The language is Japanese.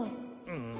うん。